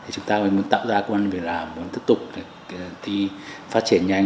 chúng ta mới muốn tạo ra công an về làm muốn tiếp tục đi phát triển nhanh